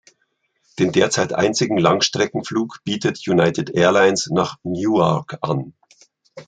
Den derzeit einzigen Langstreckenflug bietet United Airlines nach Newark an.